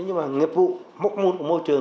nhưng mà nghiệp vụ mỗi môn của môi trường